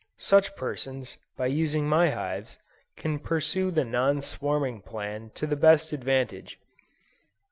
Such persons, by using my hives, can pursue the non swarming plan to the best advantage.